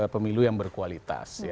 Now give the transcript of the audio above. pemilu yang berkualitas